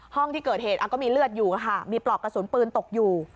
ห้องที่เกิดเหตุก็มีเลือดอยู่ค่ะมีปลอกกระสุนปืนตกอยู่